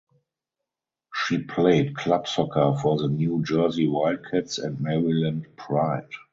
She played club soccer for the New Jersey Wildcats and Maryland Pride.